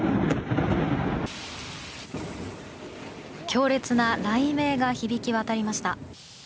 強烈な雷鳴が響き渡りました。